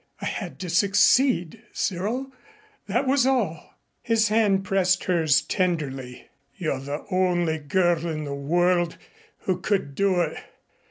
I had to succeed, Cyril that was all." His hand pressed hers tenderly. "You're the only girl in the world who could do it.